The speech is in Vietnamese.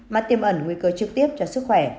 mà tiêm ẩn nguy cơ trực tiếp cho sức khỏe